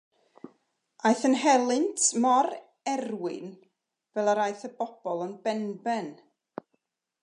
Aeth yn helynt mor erwin fel yr aeth y bobl yn benben.